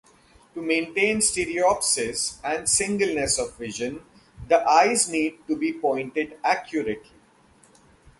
To maintain stereopsis and singleness of vision, the eyes need to be pointed accurately.